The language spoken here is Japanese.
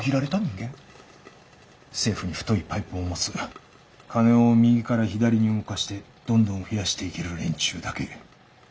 政府に太いパイプを持つ金を右から左に動かしてどんどん増やしていける連中だけ。